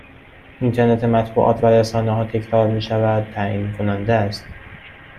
اینترنت مطبوعات و رسانه ها تکرار می شود تعیین کننده است